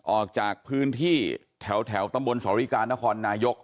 ออกจากพื้นที่แถวตำบลสริการนครนายก